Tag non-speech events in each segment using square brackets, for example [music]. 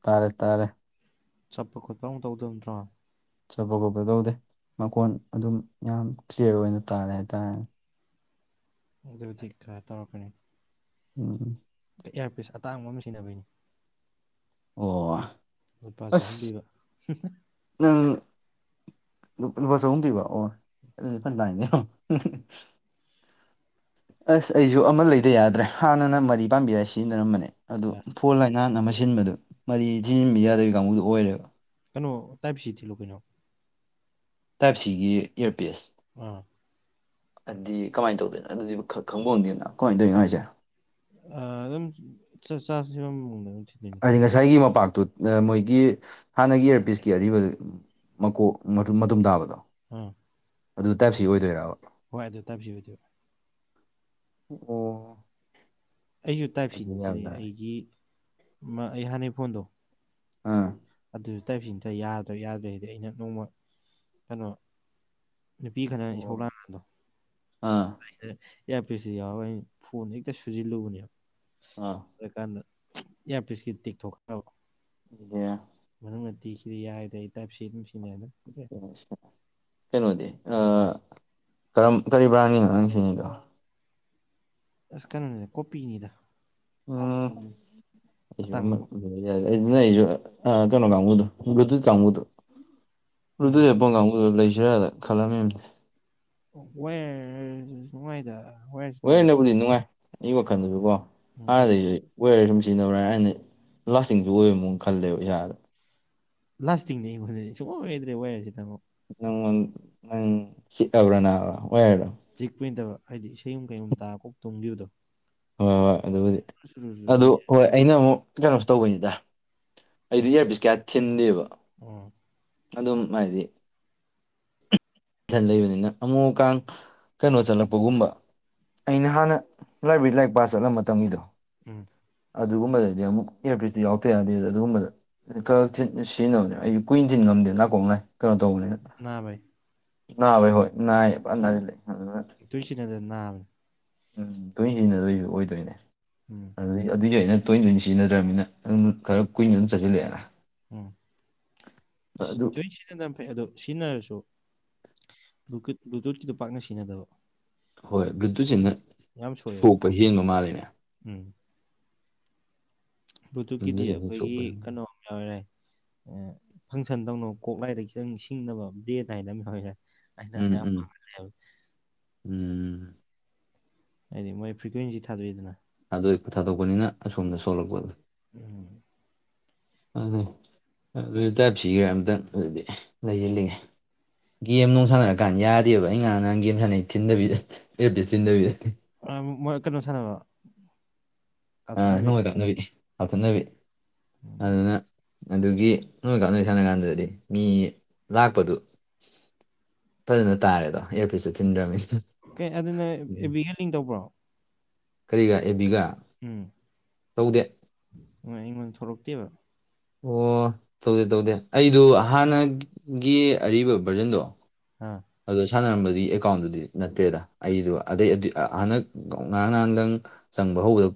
ꯇꯥꯔꯦ ꯇꯥꯔꯦ ꯆꯠꯄ ꯈꯣꯠꯄ ꯑꯨꯛ ꯇꯧꯗꯕ ꯅꯠꯇ꯭ꯔꯣ ꯆꯠꯄ ꯈꯣꯄ ꯇꯧꯗꯦ ꯃꯀꯣꯟ ꯑꯗꯨꯝ ꯌꯥꯝ ꯀ꯭ꯂꯤꯌꯥꯔ ꯑꯣꯏꯅ ꯇꯥꯔꯦ ꯍꯥꯏꯇꯥꯔꯦꯅꯦ ꯑꯗꯨ ꯍꯧꯖꯤꯛ ꯈꯔ ꯇꯧꯔꯛꯀꯅꯤ ꯎꯝ ꯎꯝ [unintelligible] ꯏꯌꯥꯔꯄꯤꯁ ꯑꯇꯥꯡꯕ ꯑꯃ ꯁꯤꯖꯤꯟꯅꯕꯩꯅꯤ ꯑꯣ ꯂꯨꯄꯥ ꯆꯍꯨꯝ ꯑꯁ ꯄꯤꯕ ꯅꯪ ꯂꯨꯄꯥ ꯆꯍꯨꯝ ꯄꯤꯕ ꯑꯣ [unintelligible] ꯑꯁ ꯑꯩꯁꯨ ꯑꯃ ꯂꯩꯗ ꯌꯥꯗ꯭ꯔꯦ ꯍꯥꯟꯅꯅ ꯃꯔꯤ ꯄꯥꯝꯕꯤꯗ ꯁꯤꯖꯤꯟꯅꯔꯝꯕꯅꯦ ꯑꯗꯨ ꯐꯣꯔ ꯂꯥꯏꯟ ꯍꯥꯟꯅ ꯑꯃ ꯁꯤꯟꯕꯗꯨ ꯃꯔꯤ ꯊꯤꯟꯖꯤꯟꯕꯤ ꯌꯥꯗꯕ ꯀꯥꯡꯕꯨꯗꯨ ꯑꯣꯏꯔꯦꯕ ꯀꯩꯅꯣ ꯇꯥꯏꯞ ꯁꯤ ꯊꯤꯜꯂꯨ ꯀꯩꯅꯣ ꯇꯥꯏꯞ ꯁꯤꯒꯤ ꯏꯌꯥꯔꯄꯤꯁ ꯑꯥ ꯑꯗꯨꯗꯤ ꯀꯃꯥꯏꯅ ꯇꯧꯗꯣꯏꯅ ꯑꯗꯨꯗꯤ ꯈꯪꯄꯣꯟꯇꯦꯅ ꯀꯃꯥꯏꯅ ꯇꯧꯏꯅꯣ ꯍꯥꯏꯁꯦ ꯑ ꯑꯗꯨꯝ ꯆ [unintelligible] ꯍꯥꯏꯗꯤ ꯉꯁꯥꯏꯒꯤ ꯃꯄꯥꯛꯇꯨꯠ [unintelligible] ꯃꯣꯏꯒꯤ ꯍꯥꯟꯅꯒꯤ ꯏꯌꯥꯔꯄꯤꯁꯀꯤ ꯑꯔꯤꯕ ꯃꯀꯣꯛ ꯃꯇꯨꯝ ꯃꯇꯨꯝ ꯇꯥꯕꯗꯣ ꯍꯨꯝ ꯑꯗꯨ ꯇꯥꯏꯞꯁꯤ ꯑꯣꯏꯗꯣꯏꯔꯕ ꯍꯣꯏ ꯑꯗꯨ ꯇꯥꯏꯞ ꯁꯤ ꯑꯣꯏꯗꯣꯏꯕ ꯑꯣ ꯑꯩꯁꯨ ꯇꯥꯏꯞ ꯑꯗꯨ ꯁꯤꯅꯤ ꯊꯤꯜꯂꯤꯖꯦ ꯌꯥꯕ꯭ꯔꯥ ꯑꯩꯒꯤ ꯑꯃ ꯑꯩ ꯍꯥꯟꯅꯩ ꯐꯣꯟꯗꯣ ꯑꯥ ꯑꯗꯨ ꯇꯥꯏꯞꯁꯤꯅꯦ [unintelligible] ꯌꯥꯗ꯭ꯔ ꯌꯥꯗ꯭ꯔꯦ ꯍꯥꯏꯗꯤ ꯑꯩꯅ ꯅꯣꯡꯃ ꯀꯩꯅꯣ ꯅꯨꯄꯤ ꯈꯠꯅꯔ ꯏꯁꯧ ꯑꯣ ꯂꯥꯡꯕꯗꯣ__ ꯑꯥ [unintelligible] ꯏꯌꯥꯔꯄꯤꯁꯁꯦ ꯌꯥꯎꯔꯒ ꯑꯩꯅ ꯐꯣꯟ ꯍꯦꯛꯇ ꯁꯨꯖꯤꯜꯂꯨꯕꯅꯦꯕ ꯑꯥ ꯑꯗꯨꯀꯥꯟꯗ ꯏꯌꯥꯔꯄꯤꯁꯀꯤ ꯇꯦꯛꯊꯣꯛꯈ꯭ꯔꯕ ꯑꯗꯨꯒ ꯃꯅꯨꯡ [unintelligible] ꯌꯥꯏꯔꯗꯤ ꯑꯩ ꯇꯥꯏꯞꯁꯤ ꯑꯗꯨꯝ ꯁꯤꯟꯅꯅꯤ [unintelligible] ꯀꯩꯅꯣꯗꯤ ꯑꯥ ꯀꯔꯝ ꯀꯔꯤ ꯕ꯭ꯔꯥꯟꯒꯤꯅꯣ ꯅꯪ ꯁꯤꯖꯤꯟꯅꯩꯗꯣ ꯑꯁ ꯀꯩꯅꯣꯅꯦ ꯀꯣꯄꯤꯅꯤꯗ ꯑ ꯑꯇꯥꯡꯕ ꯑꯩꯁꯨ__ [unintelligible] [unintelligible] ꯎꯝ ꯑꯗꯨꯏ [unintelligible] ꯀꯥꯡꯕꯨꯗꯣ ꯂꯩꯁꯤꯔꯥꯗ ꯈꯜꯂꯝꯃꯤꯝꯅꯦ [unintelligible] ꯂꯣꯏꯅꯕꯨꯗꯤ ꯅꯨꯡꯉꯥꯏ ꯑꯩ ꯋꯥꯈꯜꯗꯨꯁꯨꯀꯣ ꯎꯝ ꯑꯗꯨ ꯍꯥꯟꯅꯗꯒꯤ ꯋꯦꯔ ꯑꯗꯨꯝ ꯁꯤꯖꯤꯟꯅꯕ꯭ꯔꯥ ꯑꯩꯅ ꯂꯥꯁꯇꯤꯡꯁꯨ ꯑꯣꯏꯕ ꯃꯑꯣꯡ ꯈꯜꯂꯦꯕ ꯏꯁꯥꯗ ꯂꯥꯁꯇꯤꯡꯅꯦ ꯑꯩꯉꯣꯟꯗꯗꯤ ꯁꯨꯡꯑꯣ [inaudible] ꯑꯣꯏꯗ꯭ꯔꯦ ꯋꯥꯏꯔꯁꯤ ꯇꯥꯃꯣ ꯅꯪ ꯅꯪ ꯆꯤꯠꯑꯕ꯭ꯔꯥ ꯑꯣꯋꯥꯔꯗꯣ ꯆꯦꯛꯄꯩ ꯅꯠꯇꯕ ꯍꯥꯢꯗꯤ ꯏꯁꯩꯌꯨꯝ ꯀꯩꯒꯨꯝ ꯇꯥꯀꯣꯛ ꯇꯣꯡꯈꯤꯕꯗꯣ ꯍꯣꯏ ꯍꯣꯏ ꯑꯗꯨꯕꯨꯗꯤ ꯑꯗꯨ ꯍꯣꯏ ꯑꯩꯅ ꯑꯃꯨꯛ ꯀꯩꯅꯣꯁꯨ ꯇꯧꯕꯩꯅꯤꯗ ꯑꯩꯗꯤ ꯏꯌꯥꯔꯕꯤꯁ ꯀꯌꯥ ꯊꯤꯟꯗꯦꯕ ꯎꯝ ꯑꯗꯨꯝ ꯍꯥꯏꯗꯤ ꯏꯟꯊꯟ ꯂꯩꯕꯅꯤꯅ ꯑꯃꯨꯛ ꯃꯨꯛ ꯀꯥꯟ ꯀꯩꯅꯣ ꯆꯠꯂꯛꯄꯒꯨꯝꯕ ꯑꯩꯅ ꯍꯥꯟꯅ ꯂꯥꯏꯕ꯭ꯔꯦꯔꯤ ꯂꯥꯏꯔꯤꯛ ꯄꯥ ꯆꯠꯂꯝ ꯃꯇꯝꯒꯤꯗꯣ ꯎꯝ ꯑꯗꯨꯒꯨꯝꯕꯗꯗꯤ ꯑꯃꯨꯛ ꯏꯂꯦꯛꯇ꯭ꯔꯤꯛꯇꯨ ꯌꯥꯎꯔꯛꯇ꯭ꯔꯦ ꯑꯗꯨꯗꯤ ꯑꯗꯨꯒꯨꯝꯕꯗ ꯀꯑꯛ ꯊꯤꯟ ꯁꯤꯖꯤꯟꯅꯕꯅꯦ ꯑꯩ ꯀꯨꯏꯟ ꯊꯤꯟ ꯉꯝꯗꯦ ꯅꯥꯀꯣꯛ ꯅꯥꯏ ꯀꯩꯅꯣ ꯇꯧꯕꯅꯤꯅ ꯅꯥꯕꯩ ꯅꯥꯕꯥ ꯏꯕꯣ ꯅꯥꯏꯌꯦ ꯐ ꯅꯥꯏ [unintelligible] ꯇꯨꯏꯁꯤ ꯅꯗ ꯅꯜ [inaudible] ꯎꯝ ꯇꯣꯏ ꯁꯤꯖꯤꯟꯅꯗꯕꯩꯁꯨ ꯑꯣꯏꯗꯣꯏꯅꯦ ꯎꯝ ꯑꯗꯨ ꯑꯗꯨꯏꯁꯨ ꯑꯩꯅ ꯇꯣꯏꯅ ꯇꯣꯏꯅ ꯁꯤꯖꯤꯟꯅꯗ꯭ꯔꯕꯅꯤꯅ ꯑꯗꯨꯝ ꯈꯔ ꯀꯨꯏꯅ ꯑꯗꯨꯝ ꯆꯠꯁꯤꯜꯂꯛꯑꯦꯅ ꯎꯝ ꯑꯗꯨ ꯇꯣꯢ ꯁꯤꯖꯤꯟꯅꯕ ꯐꯩ ꯑꯗꯣ ꯁꯤꯖꯤꯟꯅꯔꯁꯨ ꯕ꯭ꯂꯨꯇꯨꯠ ꯕ꯭ꯂꯨꯇꯨꯠꯀꯤꯗꯨꯣ ꯄꯥꯛꯅ ꯁꯤꯖꯤꯟꯅꯗꯕ ꯍꯣꯏ ꯕ꯭ꯠꯇꯨꯠꯁꯤꯅ ꯌꯥꯝ ꯁꯣꯏꯑꯦꯕ ꯁꯣꯛꯄ ꯍꯦꯟꯕ ꯃꯥꯜꯂꯤꯅꯦ ꯎꯝ ꯕ꯭ꯂꯗꯨꯀꯤꯗꯤ ꯕ꯭ꯂꯨꯇꯨꯠꯁꯤꯅ ꯑꯩꯈꯣꯏꯒꯤ ꯁꯣꯛꯄ ꯀꯩꯅꯣꯝ ꯌꯥꯎꯋꯦ ꯐꯪꯁꯟ ꯇꯧꯅꯕ ꯀꯣꯛꯂꯥꯏꯗ ꯈꯤꯇꯪ ꯁꯤꯡꯅꯕ ꯕ꯭ꯔꯦꯗ ꯍꯥꯏꯅ ꯑꯃ ꯑꯩꯅ ꯎꯝ ꯎꯝ ꯎꯝ ꯎꯝ ꯍꯥꯏꯗꯤ ꯃꯣꯏ ꯐ꯭ꯔꯤꯀ꯭ꯋꯦꯟꯁꯤ ꯊꯥꯗꯣꯛꯏꯗꯅ ꯊꯗꯣꯛꯄ ꯊꯥꯗꯣꯛꯄꯅꯤꯅ ꯑꯁꯣꯝꯗ ꯁꯣꯜꯂꯛꯄꯗꯣ ꯎꯝ ꯑꯗꯨꯅꯦ ꯑꯗꯨꯢ ꯇꯥꯏꯞ ꯁꯤ ꯑꯝꯇꯪ ꯑꯗꯨꯗꯤ ꯂꯩꯁꯤꯜꯂꯤꯉꯦ ꯒꯦꯝ ꯅꯨꯡ ꯁꯥꯟꯅꯔꯀꯥꯟꯗ ꯌꯥꯗꯦꯕ ꯑꯩ ꯉꯔꯥꯡ ꯅꯍꯥꯟ ꯒꯦꯝ ꯁꯥꯟꯅꯩ ꯊꯤꯟꯗꯕꯤꯗ ꯑꯦꯔꯕꯤꯁ ꯊꯤꯟꯗꯕꯤꯗ ꯃꯣꯏ ꯀꯩꯅꯣ ꯁꯥꯟꯅꯕ ꯑ ꯀꯥꯞꯊꯠꯅꯕꯤ ꯅꯣꯡꯃꯩ ꯀꯥꯞꯊꯥꯠꯅꯕꯤ ꯀꯥꯞꯊꯥꯠꯅꯕꯤ ꯎꯝ ꯑꯗꯨꯅ ꯑꯗꯨꯒꯤ ꯅꯣꯏꯃꯩ ꯀꯥꯞꯅꯕꯤ ꯁꯥꯟꯅꯒꯥꯟꯗꯗꯤ ꯃꯤ ꯂꯥꯛꯄꯗꯨ ꯐꯖꯅ ꯇꯥꯔꯦꯗꯣ ꯏꯌꯔꯄꯤꯁꯇꯨ ꯊꯤꯟꯗ꯭ꯔꯕꯅꯤꯅ ꯑꯦꯗꯨ ꯅꯣꯢ ꯑꯦꯕꯤꯒ ꯂꯤꯡ ꯇꯧꯕ꯭ꯔꯣ ꯀꯔꯤꯒ ꯑꯦꯕꯤꯒ ꯎꯝ ꯍꯣꯏ ꯑꯩꯉꯣꯟꯗ ꯊꯣꯛꯂꯛꯇꯦꯕ ꯑꯣ ꯇꯧꯗꯦ ꯇꯧꯗꯦ ꯑꯩꯗꯣ ꯍꯥꯟꯅꯒꯤ ꯑꯔꯤꯕ ꯚ꯭ꯔꯖꯟꯗꯣ ꯍꯥꯥ ꯑꯗꯨ ꯁꯥꯟꯅꯔꯝꯕꯒꯤ ꯑꯦꯀꯥꯎꯟꯗꯨꯗꯤ ꯅꯠꯇ꯭ꯔꯦꯗ ꯑꯩꯗꯣ ꯑꯗꯩ ꯑꯗꯨ ꯍꯟꯗꯛ ꯉꯔꯥꯡ ꯉꯍꯥꯟꯗꯪ ꯆꯪꯕ ꯍꯧꯕꯗ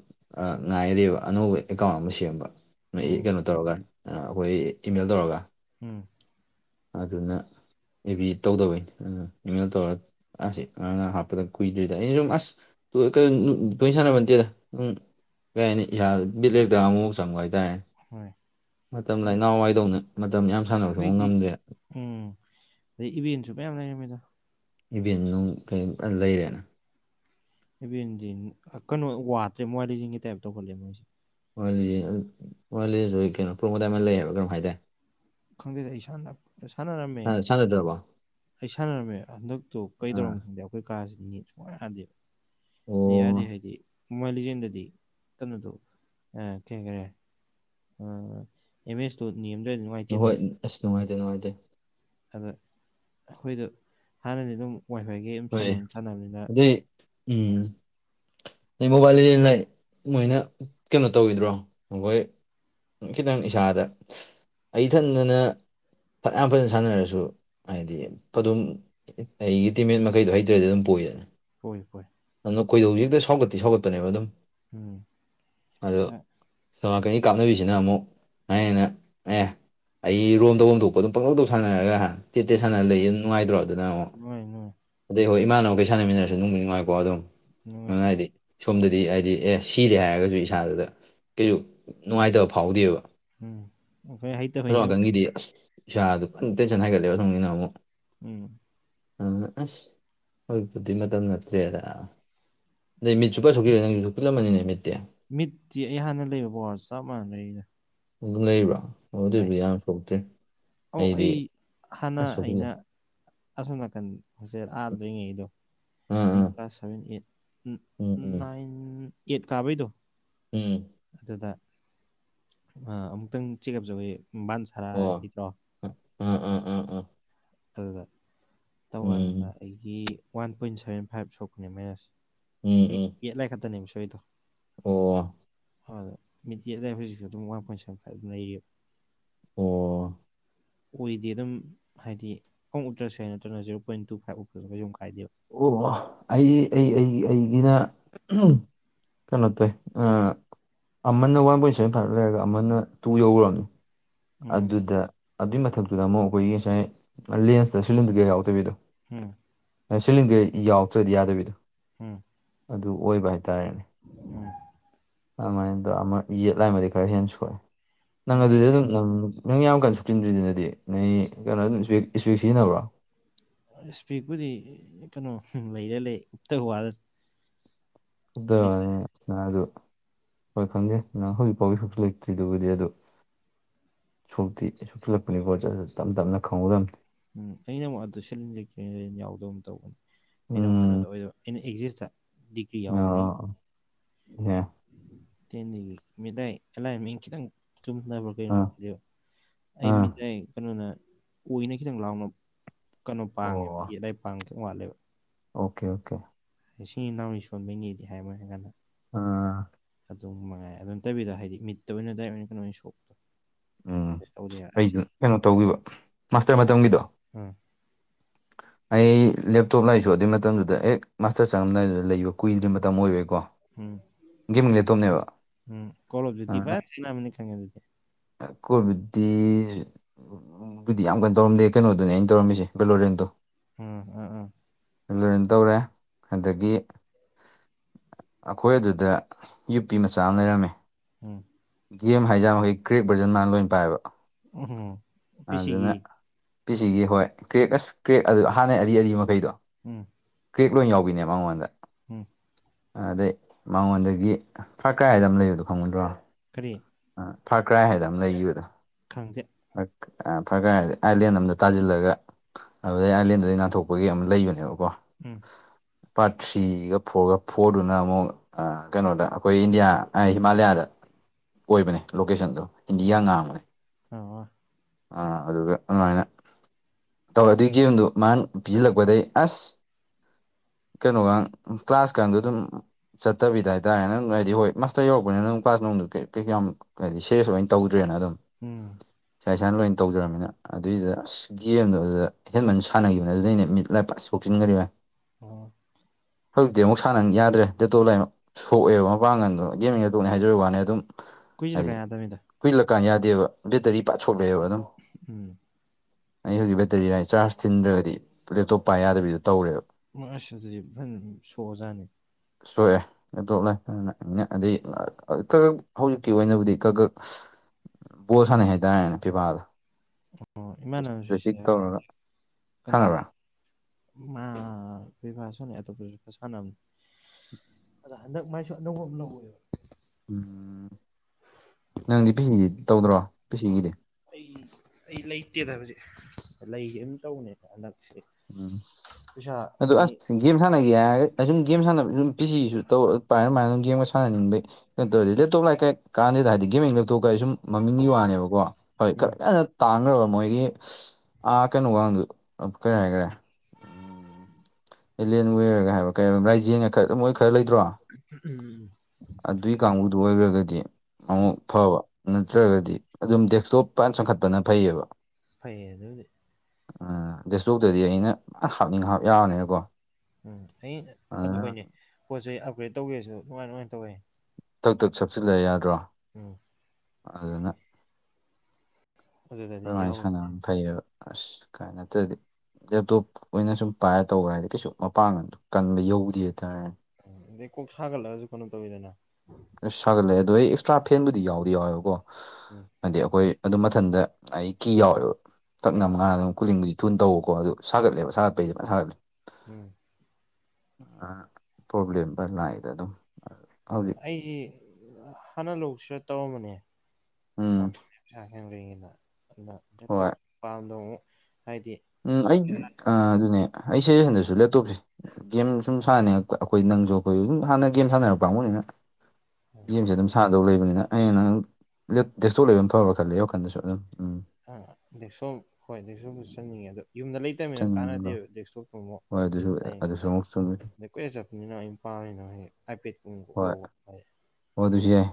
ꯉꯥꯏꯔꯤꯕ ꯑꯅꯧꯕ ꯑꯦꯀꯥꯎꯟ ꯑꯃ ꯁꯦꯝꯕ ꯅꯣꯏ ꯎꯝ ꯀꯩꯅꯣ ꯇꯧꯔꯒ ꯑꯩꯈꯣꯏ ꯏꯃꯦꯜ ꯇꯧꯔꯒ ꯎꯝ ꯑꯗꯨꯅ ꯑꯦꯕꯤ ꯇꯧꯗꯕꯩ ꯑꯗꯨ ꯏꯃꯦꯟ ꯇꯧꯔꯒ ꯑꯁ ꯉꯔꯥꯡ ꯅꯍꯥꯜ ꯍꯥꯞꯄꯗ ꯀꯨꯏꯗ꯭ꯔꯤꯗ ꯑꯩꯅ ꯁꯨꯝ ꯑꯁ ꯇꯣꯏ ꯁꯥꯟꯅꯕ ꯅꯠꯇꯦꯗ ꯎꯝ ꯀꯩ ꯍꯥꯏꯅꯤ ꯏꯁꯥ ꯕꯤꯠ ꯂꯩꯂꯛꯇꯒꯥꯟ ꯑꯃꯨꯃꯨꯛ ꯆꯪꯕ ꯍꯥꯏꯇꯥꯔꯦ ꯍꯣꯏ ꯃꯇꯝ ꯂꯥꯏꯅꯥꯋꯥꯏꯗꯧꯅ ꯃꯇꯝ ꯌꯥꯝ ꯁꯥꯟꯅꯕ ꯁꯨꯡ ꯍꯧꯖꯤꯛꯇꯤ ꯉꯝꯗ꯭ꯔꯦ ꯎꯝ ꯑꯗꯩ ꯏꯚꯦꯟꯁꯨ ꯃꯌꯥꯝ ꯂꯩꯔꯝꯃꯤꯗ ꯏꯕꯦꯟ ꯅꯨꯡ ꯀꯩ ꯂꯩꯔꯦꯅ ꯍꯦꯕꯦꯟꯗꯤ ꯀꯩꯅꯣ ꯋꯥꯠꯇ꯭ꯔꯦ ꯃ ꯂꯩꯖꯤꯡꯒꯤ ꯇꯥꯏꯞ ꯇꯧꯈꯠꯂꯦ ꯃꯣꯏꯁꯦ ꯑꯣꯂꯤꯁꯨ ꯀꯩꯅꯣ ꯄ꯭ꯔꯣꯝꯒꯗꯥꯏꯃ ꯂꯩꯌꯦꯕ ꯀꯔꯝ ꯍꯥꯏꯇꯥꯔꯦ ꯈꯪꯗꯦꯗ ꯑꯩ ꯁꯥꯟꯅꯔꯝꯃꯦ ꯊꯗ꯭ꯔꯕ ꯑꯩ ꯁꯥꯟꯅꯔꯝꯃꯦ ꯍꯟꯗꯛꯇꯣ ꯀꯩꯗꯧꯔꯝ ꯑꯥ ꯈꯗꯦ ꯑꯩꯈꯣꯏ ꯀꯥꯥꯁꯦ ꯅꯦꯠ ꯁꯦꯡꯌꯥ ꯌꯥꯗꯦ ꯅꯦꯠ ꯌꯥꯗꯦ ꯑꯣ ꯍꯥꯏꯗꯤ ꯃꯣꯕꯥꯟꯂꯤꯖꯦꯜꯗꯗꯤ ꯀꯩꯅꯣꯗꯣ ꯀꯦꯈꯔꯦ ꯑꯥ ꯑꯦꯝ ꯑꯦꯁꯇꯣ ꯅꯦꯝꯗꯔꯗꯤ ꯅꯨꯡꯉꯥꯏꯇꯦꯗꯅ ꯍꯣꯏ ꯑꯁ ꯅꯨꯡꯉꯥꯏꯇꯦ ꯅꯨꯡꯉꯥꯏꯇꯦ ꯑꯗ ꯑꯩꯈꯣꯏꯗꯣ ꯍꯥꯟꯅꯗꯤ ꯑꯗꯨꯝ ꯋꯥꯢꯐꯥꯢ ꯒꯤ ꯍꯣꯏ ꯑꯗꯨꯢ ꯎꯝ ꯃꯣꯕꯥꯢꯂꯤꯖꯦꯜꯗ ꯍꯥꯢ ꯃꯣꯏꯅ ꯀꯩꯅꯣ ꯇꯧꯈꯤꯗ꯭ꯔꯣ ꯑꯈꯣꯢ ꯈꯤꯇꯪ ꯏꯁꯥꯗ ꯑꯩ ꯢꯊꯟꯗꯅ ꯐ ꯌꯥꯝ ꯐꯖꯅ ꯁꯥꯟꯅꯔꯁꯨ ꯍꯥꯏꯗꯤ ꯑꯗꯨ ꯑꯗꯨꯝ ꯑꯩꯒꯤ ꯇꯤꯃꯦꯠ ꯃꯈꯩꯗꯣ ꯍꯩꯇ꯭ꯔꯗꯤ ꯑꯗꯨꯝ ꯄꯣꯏꯗꯅ ꯍꯣꯏ ꯍꯣꯏ ꯑꯗꯨꯅ ꯀꯣꯏꯗꯧꯁꯤꯦ ꯍꯦꯛꯇ ꯁꯥꯎꯒꯠꯇꯤ ꯁꯥꯎꯒꯠꯄꯅꯦꯕ ꯑꯗꯨꯝ ꯎꯝ ꯑꯗꯣ ꯁꯋꯥ ꯀꯅꯤ ꯀꯥꯞꯅꯕꯤꯁꯤꯅ ꯑꯃꯨꯛ ꯍꯥꯏ ꯍꯦꯟꯅ ꯑꯦ ꯑꯩ ꯔꯣꯝꯗ ꯑꯣꯣꯝ ꯊꯣꯛꯄ ꯑꯗꯨꯝ ꯄꯪꯂꯧꯗꯧ ꯁꯥꯟꯅꯔꯒ ꯇꯦ ꯇꯦ ꯎꯝ ꯁꯥꯟꯅꯅ ꯂꯩ ꯅꯨꯡꯉꯥꯏꯇ꯭ꯔꯣ ꯑꯗꯨꯅ ꯑꯃꯨꯛ ꯅꯨꯡꯉꯥꯏ ꯅꯨꯡꯉꯥꯏ ꯑꯗꯩ ꯍꯣꯏ ꯏꯃꯥꯟꯅꯕ ꯀꯩ ꯁꯥꯟꯅꯃꯤꯟꯅꯔꯁꯨ ꯅꯨꯡꯒꯤ ꯉꯥꯏꯀꯣ ꯑꯗꯨꯝ ꯅꯨꯡꯉꯥꯏ ꯅꯨꯡꯉꯥꯏꯗꯤ ꯁꯣꯝꯗꯗꯤ ꯍꯥꯏꯗꯤ ꯑꯦ ꯁꯤꯔꯦ ꯍꯥꯏꯔꯒꯁꯨ ꯏꯁꯥꯗꯨꯗ ꯀꯩꯁꯨ ꯅꯨꯡꯉꯥꯏꯇꯕ ꯐꯥꯎꯗꯦꯕ ꯎꯝ ꯑꯩꯈꯣꯏ ꯍꯩꯇꯕꯩꯅꯤ ꯑꯣꯝꯀꯪꯒꯤꯗꯤ ꯑꯁ ꯏꯁꯥꯗꯨ ꯐ ꯇꯦꯟꯁꯟ ꯍꯥꯏꯒꯠꯂꯦꯕ ꯑꯗꯨ ꯏꯅ ꯑꯃꯨꯛ ꯎꯝ ꯑꯁ ꯍꯧꯖꯤꯛꯄꯗꯤ ꯃꯇꯝ ꯅꯠꯇ꯭ꯔꯦ ꯑꯗ ꯑꯗ ꯃꯤꯠꯁꯨꯨꯔ ꯁꯣꯛꯈꯤꯕꯔ ꯅꯪꯁꯨꯤꯂꯝꯃꯅꯤꯅꯦ ꯃꯤꯠꯇꯤ ꯃꯤꯠꯇꯤ ꯑꯩ ꯍꯥꯟꯅ ꯂꯩꯕ ꯄꯕꯋꯥ ꯆꯞ ꯃꯥꯟꯅꯩꯦ ꯑꯩꯅ ꯑꯗꯨꯝ ꯂꯩꯕ꯭ꯔꯥ ꯑꯣ ꯑꯗꯨꯏꯕꯨ ꯌꯥꯝ ꯁꯣꯛꯇꯦ ꯑꯧ ꯑꯩꯗꯤ ꯑꯩ ꯍꯥꯟꯅ ꯑ ꯁꯣꯛꯆꯤꯜꯂ ꯑꯩꯅ ꯑꯁꯣꯝ ꯅꯥꯀꯟ ꯍꯁꯠ ꯑꯥꯗꯣꯏꯉꯏꯗꯣ ꯑꯥ ꯑꯩꯅ ꯑꯥ ꯀ꯭ꯂꯥꯁ ꯁꯚꯦꯟ ꯑꯩꯠ ꯎꯝ ꯎꯝ ꯅꯥꯏꯟ ꯑꯩꯠ ꯀꯥꯕꯩꯗꯣ ꯎꯝ ꯑꯗꯨꯗ ꯑꯃꯨꯛꯇꯪ ꯆꯦꯛꯑꯞꯖꯧꯋꯤꯕꯥꯟ ꯈꯔ ꯑꯣ ꯍꯥꯏ ꯂꯤꯗ꯭ꯔꯣ ꯑꯥ ꯑꯥ ꯑꯥ ꯑꯥ ꯑꯗꯨꯒ ꯇꯧꯀꯥꯟꯗ ꯎꯝ ꯑꯩꯒꯤ ꯋꯥꯟ ꯄꯣꯏꯟ ꯁꯚꯦꯟ ꯐꯥꯏꯚ ꯁꯣꯛꯄꯅꯦ ꯃꯅꯁꯦ ꯎꯝ ꯃꯤꯠ ꯎꯝ ꯌꯦꯠꯥꯏ ꯈꯛꯇꯅꯦꯃꯤ ꯁꯣꯏꯗꯣ ꯑꯣ ꯑꯗ ꯃꯤꯇꯦꯠꯗ ꯍꯧꯖꯤꯛꯁꯨ ꯑꯗꯨꯝ ꯋꯥꯟ ꯄꯣꯏꯟ ꯁꯕꯦꯟ ꯐꯥꯏꯚ ꯑꯗꯨꯝ ꯂꯩꯔꯤꯕꯑ ꯑꯣ ꯑꯣꯏꯗꯦ ꯑꯗꯨꯝ ꯍꯥꯏꯗꯤ ꯄꯪ ꯎꯞꯇ꯭ꯔꯁꯦ ꯅꯠꯇ꯭ꯔꯅ ꯖꯦꯔꯣ ꯄꯣꯏꯟ ꯇꯨ ꯐꯥꯏꯚ ꯎꯞꯇ꯭ꯔꯁꯨ ꯀꯩꯁꯨꯨꯝ ꯀꯥꯏꯗꯦꯕ ꯑꯣ ꯑꯩ ꯑꯩ ꯑꯩ ꯑꯩꯒꯤꯅ ꯀꯩꯅꯣ ꯇꯥꯏ ꯑꯃꯅ ꯋꯥꯟ ꯄꯣꯏꯟ ꯁꯕꯦꯟ ꯊꯥꯚ ꯂꯩꯔꯒ ꯑꯃꯅ ꯇꯨ ꯌꯧꯔꯔꯕꯅꯤ ꯎꯝ ꯑꯗꯨꯗ ꯑꯗꯨꯏ ꯃꯊꯛꯇꯨꯗ ꯑꯃꯨꯛ ꯑꯩꯈꯣꯏꯒꯤ ꯉꯁꯥꯏ ꯂꯦꯟꯁꯇ ꯁꯤꯂꯤꯟꯗꯔ ꯀꯌꯥ ꯌꯥꯎꯗꯕꯤꯗꯣ ꯍꯝ ꯁꯤꯂꯤꯡꯒ ꯌꯥꯎꯗ꯭ꯔꯗꯤ ꯌꯥꯗꯕꯤꯗꯣ ꯎꯝ ꯑꯗꯨ ꯑꯣꯏꯕ ꯍꯥꯏꯇꯥꯔꯦꯅꯦ ꯎꯝ ꯑꯗꯨꯃꯥꯏꯅꯗ ꯑꯃ ꯌꯦꯠ ꯂꯥꯏꯃꯗꯤ ꯈꯔ ꯍꯦꯟꯅ ꯁꯣꯛꯦ ꯅꯪ ꯎꯝ ꯑꯗꯨꯗꯤ ꯑꯩꯁꯦ ꯑꯗꯨꯝꯪ ꯅꯪ ꯌꯥꯝ ꯀꯟꯅꯁꯨꯨꯆꯟꯗ꯭ꯔꯤꯁꯤꯅꯗꯤ ꯅꯪ ꯀꯩꯅꯣ ꯑꯗꯨꯝ ꯏꯁꯦꯛ ꯁꯤꯖꯤꯟꯅꯕ꯭ꯔꯣ ꯑꯁ ꯐꯤꯛꯄꯨꯗꯤ ꯀꯩꯅꯣ ꯂꯩꯔ ꯂꯩ ꯇꯋꯥꯗ ꯑꯗꯃꯥꯏꯅ ꯉꯔꯥꯡꯖꯨ ꯍꯣꯏ ꯈꯪꯗꯦ ꯅꯪ ꯍꯧꯖꯤꯛꯐꯥꯎꯒꯤ ꯁꯨꯛꯁꯨ ꯂꯩꯇ꯭ꯔꯤ ꯑꯗꯨꯕꯨꯗꯤ ꯑꯗꯨ ꯁꯣꯛꯇꯤ ꯑꯦ ꯁꯣꯛꯆꯤꯜꯂꯛꯄꯅꯤꯀꯣ ꯖꯔ ꯖꯔ ꯇꯝ ꯇꯞꯅ ꯈꯪꯍꯧꯗꯝꯅꯤ ꯎꯝ ꯑꯩꯅ ꯑꯃꯨꯛ ꯑꯗꯨ ꯁꯤꯟꯂꯤꯟꯗ꯭ꯔꯤꯀꯦꯜ ꯌꯥꯎꯗꯒꯨꯝ ꯇꯧꯕꯅꯦ ꯑꯩꯅ ꯑꯃꯨꯛ ꯀꯩꯅꯣꯗ ꯎꯝ ꯑꯣꯏꯕ ꯑꯩꯅ ꯑꯦꯛꯖꯤꯁꯇ ꯗꯤꯒ꯭ꯔꯤ ꯑꯣ ꯍ [unintelligible] ꯦꯟꯗꯥ ꯑꯂꯥꯏ ꯃꯤꯡ ꯈꯤꯇꯪ ꯆꯨꯝꯅꯕ꯭ꯔꯣ ꯀꯩꯅꯣ ꯑꯩ ꯑꯣ ꯃꯤꯠꯅ ꯀꯩꯅꯣꯅ ꯀꯅ ꯈꯤꯇꯪ ꯂꯥꯎꯅ ꯀꯩꯅꯣ ꯄꯥꯡꯉꯦꯕ ꯑꯣ ꯌꯦꯠꯂꯏ ꯄꯥꯡꯒꯦ ꯁ ꯃꯥꯜꯂꯦꯕ ꯑꯣꯀꯦ ꯑꯣꯀꯦ ꯏꯁꯤꯡ ꯏꯅꯥꯎꯅꯤ ꯁꯣꯟꯕꯩꯉꯗꯤ ꯍꯥꯏꯕꯣꯏ ꯍꯥꯏ ꯀꯥꯟꯗ ꯎꯥ ꯑꯗꯨꯝ ꯃꯉꯥꯏ ꯑꯗꯨꯝ ꯅꯠꯇꯕꯤꯗ ꯍꯥꯏꯗꯤ ꯃꯤꯠꯇ ꯑꯣꯏꯅ ꯗꯥꯏ ꯑꯣꯏꯅ ꯀꯩꯅꯣ ꯑꯣꯏꯅ ꯁꯣꯛꯄꯗꯣ ꯎꯝ ꯇꯧꯗꯦ ꯑꯁ ꯑꯩꯖꯨ ꯀꯩꯅꯣ ꯇꯧꯒꯤꯕꯥ ꯃꯥꯁꯇ꯭ꯔ ꯃꯇꯝꯒꯤꯗꯣ [unintelligible] ꯑꯩ ꯂꯦꯞꯇꯣꯞ ꯂꯩꯔꯁꯨ ꯑꯗꯨꯏ ꯃꯇꯝꯗꯨꯗ ꯍꯦꯛ ꯃꯥꯁꯇ꯭ꯔ ꯆꯪꯉꯝꯗꯥꯏꯗꯨꯗ ꯂꯩꯕ ꯀꯨꯏꯗ꯭ꯔꯤ ꯃꯇꯝ ꯑꯣꯏꯕꯩꯀꯣ ꯎꯝ ꯒꯦꯃꯤꯡ ꯂꯦꯞꯇꯣꯞꯅꯦꯕ ꯎꯝ ꯀꯣꯂꯞꯗ ꯗꯤꯕꯥ ꯊꯦꯡꯅꯕꯅꯦ ꯊꯦꯡꯅꯗ꯭ꯔꯗꯤ ꯑꯩꯈꯣꯏꯕꯨꯗꯤ ꯑꯗꯨꯗꯤ ꯌꯥꯝ ꯀꯩꯅꯣ ꯇꯧꯔꯝꯗꯦ ꯀꯩꯅꯣꯗꯨꯅꯦ ꯑꯩꯅ ꯇꯧꯔꯝꯃꯤꯁꯦ ꯕꯦꯂꯣꯔꯦꯟꯗꯣ ꯎꯝ ꯑ ꯑ ꯕꯦꯂꯣꯔꯦꯟ ꯇꯧꯔꯦ ꯑꯗꯒꯤ ꯑꯩꯈꯣꯏ ꯑꯗꯨꯗ ꯌꯨꯄꯤ ꯃꯆꯥ ꯑꯃ ꯂꯩꯔꯝꯃꯦ ꯎꯝ ꯒꯦꯝ ꯍꯩꯖꯥꯝ ꯃꯈꯩ ꯀ꯭ꯔꯦꯛ ꯚ꯭ꯔꯖꯟ ꯃꯥꯅ ꯂꯣꯏꯅ ꯄꯥꯏꯕ ꯑꯣꯍꯣ ꯑꯗꯨꯅ ꯄꯤꯁꯤꯒꯤ ꯍꯣꯏ ꯀ꯭ꯔꯦꯛ ꯑꯁ ꯀ꯭ꯔꯦꯛ ꯑꯗꯨ ꯍꯥꯟꯅꯩ ꯑꯔꯤ ꯑꯔꯤ ꯃꯈꯩꯗꯣ ꯎꯝ ꯀ꯭ꯔꯦꯛ ꯂꯣꯏ ꯌꯥꯎꯕꯤꯅꯦ ꯃꯉꯣꯟꯗ ꯎꯝ ꯑꯥꯗꯩ ꯃꯉꯣꯟꯗꯒꯤ ꯐ꯭ꯔꯀꯥꯏ ꯑꯅ ꯑꯃ ꯂꯩꯕꯗꯣ ꯈꯪꯕ ꯅꯠꯇ꯭ꯔꯣ ꯀꯔꯤ ꯑ ꯐꯀ꯭ꯔꯥꯏ ꯍꯥꯏꯗꯅ ꯑꯃ ꯂꯩꯒꯤꯕꯗꯣ ꯈꯪꯗꯦ ꯐ꯭ꯔꯀꯥꯏ ꯍꯥꯏꯗꯤ ꯑꯥꯏꯂꯦꯟ ꯑꯃꯗ ꯇꯥꯖꯤꯜꯂꯒ ꯑꯗꯨꯗꯩ ꯑꯥꯏꯂꯦꯟꯗꯨꯗꯒꯤ ꯅꯥꯟꯊꯣꯛꯄꯒꯤ ꯑꯃ ꯂꯩꯕꯅꯦꯕꯀꯣ ꯎꯝ ꯄꯥ꯭ꯔꯠ ꯊ꯭ꯔꯤꯒ ꯐꯣ꯭ꯔꯒ ꯐꯣ꯭ꯔꯗꯨꯅ ꯑꯃꯨꯛ ꯑ ꯀꯩꯅꯣꯗ ꯑꯩꯈꯣꯏ ꯏꯟꯗꯤꯌꯥ ꯑ ꯍꯤꯃꯥꯂꯌꯥꯗꯥ ꯑꯣꯏꯕꯅꯦ ꯂꯣꯀꯦꯁꯟꯗꯣ ꯍꯤꯟꯗꯤꯒꯥ ꯉꯥꯡꯕꯅꯦ ꯑꯣ ꯑꯥ ꯑꯗꯨꯒ ꯑꯗꯨꯃꯥꯏꯅ ꯇꯧꯋꯦ ꯑꯗꯨ ꯒꯦꯝꯗꯨ ꯃꯥꯅ ꯄꯤꯁꯤꯜꯂꯛꯄꯗꯩ ꯑꯁ ꯀꯩꯅꯣꯒ ꯀ꯭ꯂꯥꯁꯀꯥꯟꯗ ꯑꯗꯨꯝ ꯆꯠꯇꯕꯤꯗ ꯍꯥꯏꯇꯥꯔꯦꯅꯦ ꯅꯪ ꯍꯥꯏꯗꯤ ꯍꯣꯏ ꯃꯥꯁꯇ꯭ꯔ ꯌꯧꯔꯛꯄꯅꯤꯅ ꯅꯪ ꯄꯥꯁ ꯅꯨꯡꯗꯣ ꯀꯩ ꯀꯩ ꯀꯌꯥꯝ ꯍꯥꯏꯗꯤ ꯁꯦꯔꯤꯌ꯭ꯁ ꯑꯣꯏꯅ ꯇꯧꯗ꯭ꯔꯦꯅ ꯑꯗꯨꯝ ꯎꯝ ꯏꯁꯥ ꯏꯁꯥꯅ ꯂꯣꯏꯅ ꯇꯧꯖꯔꯕꯃꯤꯅ ꯑꯗꯨꯏꯗ ꯑꯁ ꯒꯦꯝꯗꯣ ꯑꯗꯨꯗ ꯍꯦꯟꯃꯟ ꯁꯥꯟꯅꯈꯤꯕꯅꯦ ꯑꯗꯨꯗꯩꯅꯦ ꯃꯤꯠ ꯂꯥꯏꯞꯄꯥꯁ ꯁꯣꯛꯆꯤꯟꯒꯔꯦꯕꯥꯏ ꯑꯣ ꯍꯧꯖꯤꯛꯇꯤ ꯑꯃꯨꯛ ꯁꯥꯟꯅ ꯌꯥꯗ꯭ꯔꯦ ꯂꯦꯇꯣ ꯂꯥꯏꯅ ꯁꯣꯛꯑꯦꯕ ꯃꯄꯥꯡꯒꯟꯗꯣ ꯒꯦꯝꯃꯤꯡ ꯇꯣꯛꯅꯤ ꯍꯥꯏꯖꯔ ꯋꯥꯅꯤ ꯑꯗꯨꯝ ꯀꯨꯏꯔ ꯌꯥꯗꯃꯤꯗ ꯀꯨꯏꯠꯂꯀꯥꯟ ꯌꯥꯗꯦꯕ ꯕꯦꯇꯔꯤ ꯄꯥꯊꯣꯛꯂꯑꯦꯕ ꯑꯗꯨꯝ ꯎꯝ ꯑꯩ ꯍꯧꯖꯤꯛ ꯕꯦꯇꯔꯤ ꯂ ꯆꯥꯔꯖ ꯊꯤꯟꯗ꯭ꯔꯒꯗꯤ ꯂꯦꯞꯇꯣꯞ ꯄꯥꯏ ꯌꯥꯗꯕꯤꯗꯣ ꯇꯧꯔꯦꯕ ꯑꯁ ꯑꯗꯨꯗꯤ ꯐꯖ ꯁꯣꯛꯑꯖꯥꯠꯅꯤ ꯁꯣꯛꯑꯦꯊꯣꯛꯂꯦ ꯑꯗꯨꯢ ꯍꯧꯖꯤꯛꯀꯤ ꯑꯣꯏꯅꯕꯨꯗꯤ ꯀꯛꯀꯛ ꯕꯣꯜ ꯁꯥꯟꯅꯩ ꯍꯥꯏꯇꯥꯔꯦꯅꯦ ꯄꯦꯕꯥꯗ ꯑꯣ ꯏꯃꯥꯟꯅꯕ ꯁꯁꯦ ꯀꯩꯅꯣꯒꯤ ꯁꯥꯟꯅꯕ꯭ꯔꯥ ꯃꯥ ꯄꯤꯕꯥꯁꯟꯅꯦ ꯑꯇꯣꯞꯄꯗꯁꯨ ꯈꯔ ꯁꯥꯟꯅꯕꯅꯤ ꯑꯗ ꯍꯟꯗꯛ ꯃꯥꯏꯁꯨ ꯑꯅꯧꯕ ꯑꯃ ꯂꯧꯋꯦꯕ ꯎꯝ ꯅꯪꯗꯤ ꯄꯤꯁꯤꯗꯤ ꯇꯧꯗ꯭ꯔꯣ ꯄꯤꯁꯤꯒꯤꯗꯤ ꯑꯩ ꯑꯩ ꯂꯩꯇꯦꯗ ꯍꯧꯖꯤꯛ ꯂꯩꯒꯦꯅ ꯇꯧꯕꯅꯦ ꯍꯟꯗꯛꯁꯦ ꯎꯝ ꯄꯩꯁꯥ ꯑꯗꯨ ꯑꯩ ꯑꯁ ꯒꯦꯝ ꯁꯥꯟꯅꯒꯦ ꯍꯥꯏꯔꯒ ꯑꯁꯨꯝ ꯒꯦꯝ ꯁꯥꯟꯅꯕ ꯑꯗꯨꯝ ꯄꯤꯁꯤꯁꯨ ꯇꯧꯔ ꯄꯥꯏꯔꯝ ꯑꯃꯥꯏꯅ ꯒꯦꯝꯒ ꯁꯥꯟꯅꯅꯤꯡꯕꯩ ꯀꯩꯅꯣ ꯇꯧꯔꯗꯤ ꯂꯦꯞꯇꯣꯞ ꯂꯩꯀꯥꯏ ꯀꯥꯟꯅꯗꯦꯗ ꯍꯥꯏꯗꯤ ꯒꯦꯝꯃꯤꯡ ꯂꯦꯞꯇꯣꯞꯀꯖꯦ ꯁꯨꯝ ꯃꯃꯤꯡꯒꯤ ꯋꯥꯅꯦꯕꯀꯣ ꯍꯣꯏ ꯎꯝ ꯈꯔ ꯈꯛ ꯇꯥꯡꯒ꯭ꯔꯕ ꯃꯣꯏꯒꯤ ꯑꯥ ꯀꯩꯅꯣꯒꯥꯡꯗꯨ ꯀꯔꯤ ꯍꯥꯏꯒꯔꯦ ꯑꯦꯂꯤꯌꯟ ꯋꯦꯔꯒ ꯍꯥꯏꯕ ꯀꯩ ꯍꯥꯏ ꯔꯥꯏꯖꯦꯟꯒ ꯈꯔ ꯃꯣꯏ ꯈꯔ ꯂꯩꯇ꯭ꯔꯣ ꯎꯝ ꯑꯗꯨꯏ ꯀꯥꯡꯕꯨꯗꯨ ꯑꯣꯏꯈ꯭ꯔꯒꯗꯤ ꯑꯃꯨꯛ ꯐꯕ ꯎꯝ ꯅꯠꯇ꯭ꯔꯒꯗꯤ ꯑꯗꯨꯝ ꯗꯦꯛꯁꯇꯣꯞꯄ ꯆꯪꯈꯠꯄꯅ ꯐꯩꯌꯦꯕ ꯐꯩꯌꯦ ꯑꯗꯨꯗꯤ ꯗꯦꯁꯇꯣꯣꯛꯇꯗꯤ ꯑꯩꯅ ꯍꯥꯞꯅꯤꯡ ꯍꯥꯞ ꯌꯥꯔꯅꯦꯕꯀꯣ ꯎꯝ ꯑꯩ ꯑꯗꯨ ꯍꯣꯏꯅꯦ ꯄꯣꯠ ꯆꯩ ꯑꯞꯒ꯭ꯔꯦꯗ ꯇꯧꯒꯦꯔꯁꯨ ꯑꯗꯨꯉꯥꯏ ꯅꯨꯡꯉꯥꯏꯅ ꯇꯧꯋꯦ ꯇꯛ ꯇꯛ ꯁꯞꯆꯤꯜꯂ ꯌꯥꯗ꯭ꯔꯣ ꯎꯝ ꯑꯗꯨꯅ ꯑꯗꯨꯗꯗꯤ ꯑꯗꯨꯃꯥꯏꯅ ꯌꯥꯎꯕꯅꯤ ꯁꯥꯟꯅꯕ ꯐꯩꯌꯦꯕ ꯑꯁ ꯀꯃꯥꯏ ꯅꯠꯇ꯭ꯔꯗꯤ ꯂꯦꯞꯇꯣꯞ ꯑꯣꯏꯅ ꯁꯨꯝ ꯄꯥꯏꯔ ꯇꯧ ꯍꯥꯏꯗꯤ ꯀꯩꯁꯨ ꯃꯄꯥꯡꯒꯟꯗ ꯀꯟꯕ ꯌꯧꯗꯦ ꯍꯥꯏꯇꯥꯔꯦꯅꯦ ꯎ ꯑꯗꯩ ꯀꯣꯛ ꯁꯥꯒꯠꯂꯒꯁꯨ ꯀꯩꯅꯣ ꯇꯧꯋꯤꯗꯅ ꯑꯁ ꯁꯥꯒꯠꯂꯛꯑꯦ ꯑꯗꯣ ꯑꯩ ꯑꯦꯛꯁꯇ꯭ꯔꯥ ꯐꯦꯟꯕꯨꯗꯤ ꯌꯥꯎꯗꯤ ꯌꯥꯎꯋꯦꯕꯀꯣ ꯎꯝ ꯍꯥꯏꯗꯤ ꯑꯩꯈꯣꯏ ꯑꯗꯨ ꯃꯊꯟꯗ ꯑꯩ ꯀꯤ ꯌꯥꯎꯋꯦꯕ ꯎꯝ ꯊꯛꯅꯕꯅꯕꯉꯥꯟꯅ ꯑꯗꯨꯝ ꯀꯨꯂꯤꯡꯒ ꯊꯨꯅ ꯇꯧꯕꯀꯣ ꯑꯗꯨ ꯁꯥꯒꯠꯂꯦꯕ ꯁꯥꯒꯠꯄꯩꯗ ꯁꯥꯒꯠꯂꯦ ꯎꯝ ꯄ꯭ꯔꯣꯕ꯭ꯂꯦꯝꯗ ꯂꯥꯛꯏꯗ ꯑꯗꯨꯝ ꯎꯝ ꯍꯧꯖꯤꯛ ꯑꯩꯁꯤ ꯍꯥꯟꯅ ꯂꯣꯛꯁꯤꯔ ꯇꯧꯔꯝꯕꯅꯦ ꯑꯝ ꯄꯩꯁꯥ ꯍꯦꯟꯗ꯭ꯔꯤꯉꯅ ꯑꯗꯨꯅ ꯂꯦꯞꯇꯣꯞ ꯍꯣꯏ ꯄꯥꯝꯗ ꯑꯃꯨꯛ ꯍꯥꯏꯗꯤ ꯎꯝ ꯑꯩ ꯑꯗꯨꯅꯦ ꯑꯩ ꯁꯖꯁꯟꯗꯁꯨ ꯂꯦꯞꯇꯣꯞꯁꯦ ꯒꯦꯝ ꯁꯨꯝ ꯁꯥꯟꯅꯩ ꯑꯩꯈꯣꯏ ꯅꯪꯁꯨ ꯑꯩꯈꯣꯏ ꯍꯥꯟꯅ ꯒꯦꯝ ꯁꯥꯟꯅꯔꯛ ꯄꯥꯝꯕꯅꯤꯅ ꯌꯦꯦꯝꯁꯦ ꯑꯗꯨꯝ ꯁꯥꯅꯗꯧ ꯂꯩꯕꯅꯤꯅ ꯑ ꯅꯪ ꯗꯦꯛꯁꯇꯣꯛꯞ ꯂꯩꯕ ꯑꯃ ꯐꯔꯥ ꯈꯜꯂꯦ ꯋꯥꯈꯜꯗꯁꯨ ꯑꯗꯨꯝ ꯎꯝ ꯑꯁꯣꯝ ꯍꯣꯏꯦꯛꯁꯣꯝꯁꯨ ꯆꯪꯅꯤꯡꯉꯦ ꯑꯗꯣ ꯌꯨꯝꯗ ꯂꯩ ꯆꯠꯅꯤꯡꯕꯅꯤꯀꯣ ꯀꯥꯟꯅꯗꯤꯁꯨ ꯗꯦꯛꯁꯇꯣꯞ ꯍꯣꯏ ꯑꯗꯨꯁꯨ ꯑꯗꯨꯁꯨ ꯑꯃꯨꯛ ꯆꯨꯝꯃꯤ ꯅꯀ꯭ꯋꯦꯁ ꯆꯠꯄꯅꯤꯅ ꯑꯩ ꯄꯥꯝꯃꯤꯅ ꯍꯦꯛ ꯍꯥꯏꯐꯦꯠ ꯄꯨꯡ ꯀꯥꯎꯛ ꯂꯧꯕ ꯍꯥꯏ ꯑꯣ ꯑꯗꯨꯁꯨ ꯌꯥꯏ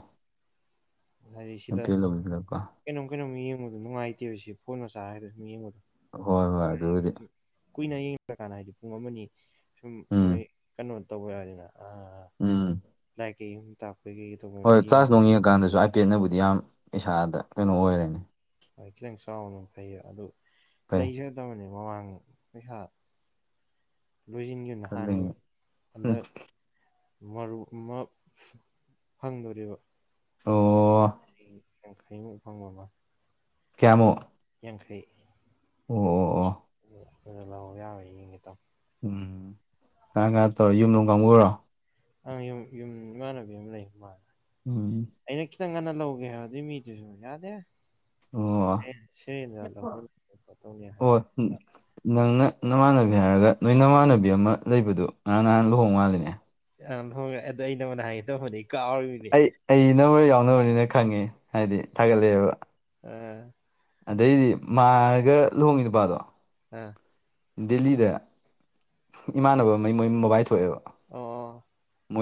ꯍꯥꯏꯗꯤ ꯁꯤꯗ ꯑꯥꯏꯄꯦꯠ ꯂꯧꯕꯤꯕꯀꯣ ꯀꯩꯅꯣꯝ ꯀꯩꯅꯣꯝ ꯌꯦꯡꯕꯗꯣ ꯅꯨꯡꯉꯥꯏꯇꯦꯕ ꯁꯤ ꯐꯣꯟꯅ ꯆꯥꯔ ꯍꯥꯏꯗ ꯃꯤꯠ ꯌꯦꯡꯕꯗꯣ ꯍꯣꯏ ꯍꯣꯏ ꯑꯗꯨꯕꯨꯗꯤ ꯀꯨꯏꯅ ꯌꯦꯡ꯭ꯔꯀꯥꯟꯗ ꯍꯥꯏꯗꯤ ꯄꯨꯡ ꯑꯃꯅꯤ ꯁꯨꯝ ꯎꯝ ꯃꯣꯏ ꯀꯩꯅꯣ ꯇꯧꯕ ꯍꯥꯏꯗꯅ ꯑ ꯎꯝ ꯂꯥꯢ ꯀꯩ ꯇꯥꯛꯄꯒꯤ ꯍꯣꯏ ꯀ꯭ꯂꯥꯁ ꯅꯣꯡ ꯌꯦꯡꯉꯀꯥꯟꯗꯁꯨ ꯑꯥꯏ ꯄꯦ ꯑꯦꯠꯅꯕꯨꯗꯤ ꯌꯥꯝ ꯏꯁꯥꯗ ꯀꯩꯅꯣ ꯑꯣꯏꯔꯅꯤ ꯍꯣꯏ ꯈꯤꯇꯪ ꯆꯥꯎꯅ ꯐꯩꯌꯦ ꯑꯗꯨ ꯐꯩ ꯂꯩꯖꯤꯔ ꯇꯧꯕꯅꯤ ꯥ UNINTELLIGIBLEꯄꯩꯁꯥ ꯂꯨꯖꯤꯟꯒꯨꯝ ꯅꯍꯅꯤ ꯈꯜꯂꯤꯅꯤ ꯑꯟꯗ ꯃꯔꯨꯞ ꯑꯃꯥ ꯐꯪꯗꯣꯔꯤꯕ ꯑꯣ UNINTELLIGIBLE ꯌꯡꯈꯥꯏ ꯏꯐꯥꯡ ꯃꯕꯜ ꯀꯌꯥꯃꯨꯛ ꯌꯥꯡꯈꯩ ꯑꯣ ꯑꯣ ꯑꯣ ꯑꯗꯨ ꯂꯥꯛꯑꯣ ꯌꯥꯔꯣꯏ ꯌꯦꯡꯒꯦ ꯇꯧ ꯎꯝ ꯀꯅꯥ ꯀꯅꯥ ꯇꯧꯔ ꯌꯨꯝꯗꯅꯨꯡ ꯀꯥꯡꯕꯨꯔꯣ ꯑꯪ ꯌꯨꯝ ꯏꯃꯥꯟꯅꯕꯤ ꯑꯃ ꯂꯩ ꯎꯝ ꯑꯩꯅ ꯈꯤꯇꯪ ꯉꯟꯅ ꯂꯧꯒꯦ ꯍꯥꯏꯕꯗꯤ ꯃꯤꯗꯨꯁꯨ ꯌꯥꯗꯦ ꯑꯣ ꯁꯤꯅꯤ ꯍꯥꯏ ꯎꯝ ꯅꯪꯅ ꯅꯃꯥꯟꯅꯕꯤ ꯍꯥꯏꯔꯒ ꯅꯣꯏ ꯅꯃꯥꯟꯅꯕꯤ ꯑꯃ ꯂꯩꯕꯗꯣ ꯉꯔꯥꯡ ꯅꯍꯥꯟ ꯂꯨꯍꯣꯡ ꯃꯥꯥꯜꯂꯤꯅꯦ ꯑ ꯍꯣꯏ ꯑꯗꯨꯗ ꯑꯩ ꯅꯉꯣꯟꯅ ꯍꯥꯏ ꯇꯅꯤ ꯀꯥꯎ ꯑꯩ ꯑꯩ ꯅꯔ ꯌꯥꯎꯅꯕꯅꯤꯅ ꯈꯪꯉꯦ ꯍꯥꯏꯗꯤ ꯊꯥꯒꯠꯂꯛꯑꯦꯕ ꯎ ꯑꯗꯩꯗꯤ ꯃꯥꯔꯒ ꯂꯍꯣꯡꯉꯤ ꯅꯨꯄꯥꯗꯣ ꯑꯥ ꯗꯦꯜꯂꯤꯗ ꯏꯃꯥꯟꯅꯕ ꯃꯩ ꯃꯣꯏ ꯃꯣꯕꯥꯏ ꯊꯣꯛꯑꯦꯕ ꯑꯣ ꯃꯣꯏ